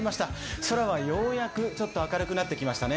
空はようやくちょっと明るくなってきましたね。